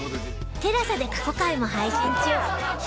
ＴＥＬＡＳＡ で過去回も配信中